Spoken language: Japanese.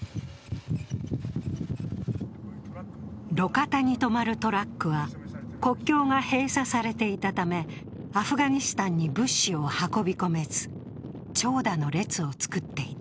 路肩に止まるトラックが国境が閉鎖されていたためアフガニスタンに物資を運び込めず長蛇の列を作っていた。